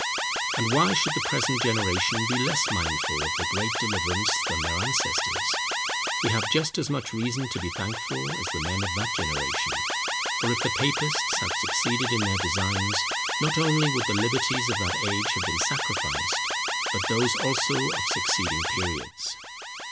And why should the present generation be less mindful of the great deliverance than their ancestors? We have just as much reason to be thankful as the men of that generation; for if the papists had succeeded in their designs, not only would the liberties of that age have been sacrificed, but those also of succeeding periods.